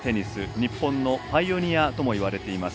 日本のパイオニアとも言われています